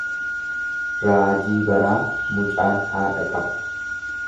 Raajii baraa mucaan haadha qaba.